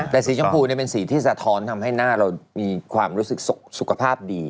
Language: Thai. แต่สีชมพูเป็นสีที่สะท้อนทำให้หน้าเรามีความรู้สึกสุขภาพดี